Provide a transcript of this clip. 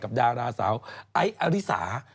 ดาราสาวไอ้อริสา